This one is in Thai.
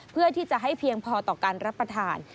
เพื่อที่จะให้เพียงพอต่อการรับประทาน